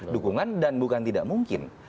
dukungan dan bukan tidak mungkin